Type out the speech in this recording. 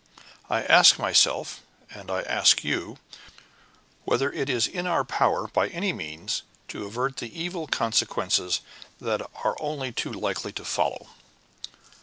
I ask myself, and I ask you, whether it is in our power, by any means, to avert the evil consequences that are only too likely to follow?"